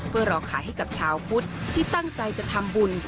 เพื่อรอขายให้กับชาวพุทธที่ตั้งใจจะทำบุญ